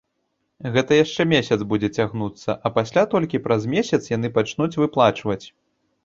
Гэта яшчэ месяц будзе цягнуцца, а пасля толькі праз месяц яны пачнуць выплачваць.